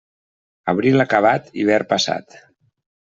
Abril acabat, hivern passat.